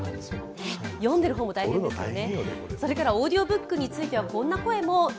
読んでいる方も大変ですよね。